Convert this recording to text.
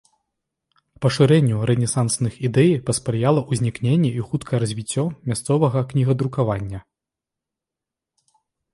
Пашырэнню рэнесансных ідэй паспрыяла ўзнікненне і хуткае развіццё мясцовага кнігадрукавання.